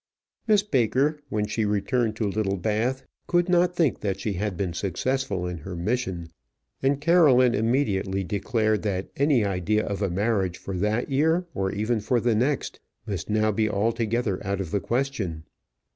Miss Baker, when she returned to Littlebath, could not think that she had been successful in her mission; and Caroline immediately declared that any idea of a marriage for that year, or even for the next, must now be altogether out of the question.